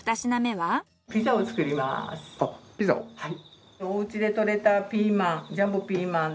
はい。